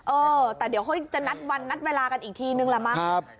เออแต่เดี๋ยวเขาจะนัดวันนัดเวลากันอีกทีนึงละมั้ง